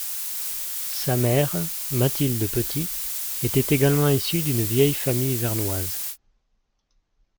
Sa mère, Mathilde Petit, était également issue d’une vieille famille vernoise.